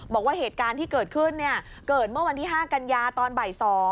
บอกว่าเหตุการณ์ที่เกิดขึ้นเกิดเมื่อวันที่๕กันยาตอนบ่าย๒